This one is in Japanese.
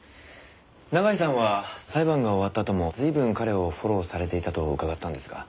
永井さんは裁判が終わったあとも随分彼をフォローされていたと伺ったんですが。